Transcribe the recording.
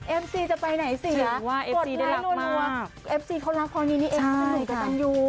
เอฟซีจะไปไหนสิกดไลน์นัวเอฟซีเขารักพ่อนี้นี่เองคุณหนูกะตันยู